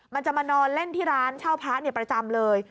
มันจะมานอนเล่นที่ร้านเช่าพระประจำเลย